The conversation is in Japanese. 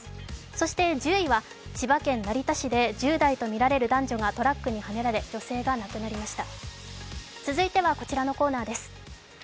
そして１０位は、千葉県成田市で１０代とみられる男女がトラックにはねられ、女性が亡くなりました。